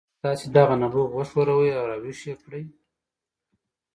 که تاسې دغه نبوغ وښوروئ او راویښ یې کړئ